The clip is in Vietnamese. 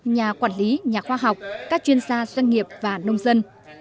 nhà quản lý nhà khoa học các chuyên gia doanh nghiệp và nông dân